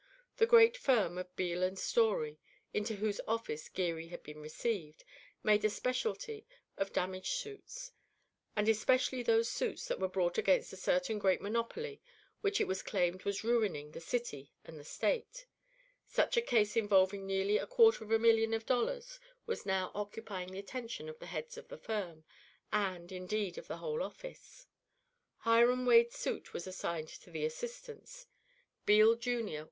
The great firm of Beale & Storey, into whose office Geary had been received, made a specialty of damage suits, and especially those suits that were brought against a certain great monopoly which it was claimed was ruining the city and the state; such a case involving nearly a quarter of a million of dollars was now occupying the attention of the heads of the firm and, indeed, of the whole office. Hiram Wade's suit was assigned to the assistants. Beale, Jr.